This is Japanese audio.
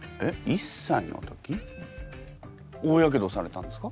１歳の時大やけどされたんですか？